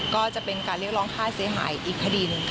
ก็จะเป็นการเรียกร้องค่าเสียหายอีกคดีหนึ่ง